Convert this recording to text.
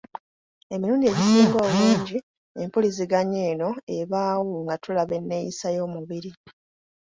Emirundi egisinga obungi empuliziganya eno ebaawo nga tulaba enneeyisa y’omubiri.